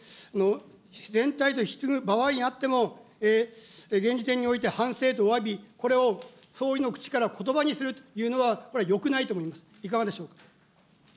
全体で引き継ぐ場合であっても、現時点において反省とおわび、これを総理の口からことばにするというのは、これはよくないと思います。